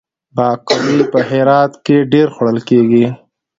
باقلي په هرات کې ډیر خوړل کیږي.